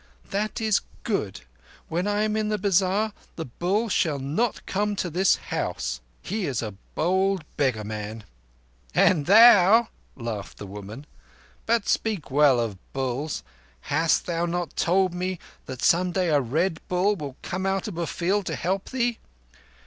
"That is good. When I am in the bazar the bull shall not come to this house. He is a bold beggar man." "And thou?" laughed the woman. "But speak well of bulls. Hast thou not told me that some day a Red Bull will come out of a field to help thee?